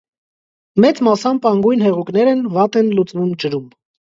Սեծ մասամբ անգույն հեղուկներ են, վատ են լուծվում ջրում։